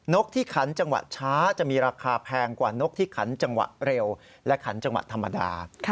กที่ขันจังหวะช้าจะมีราคาแพงกว่านกที่ขันจังหวะเร็วและขันจังหวะธรรมดา